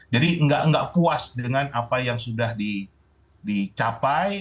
jadi nggak puas dengan apa yang sudah dicapai